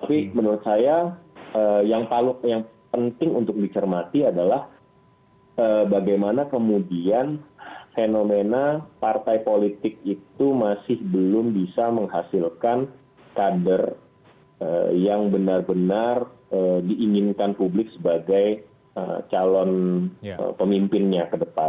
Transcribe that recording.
tapi menurut saya yang paling penting untuk dicermati adalah bagaimana kemudian fenomena partai politik itu masih belum bisa menghasilkan kader yang benar benar diinginkan publik sebagai calon pemimpinnya ke depan